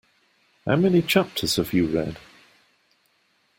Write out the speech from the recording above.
How many chapters have you read?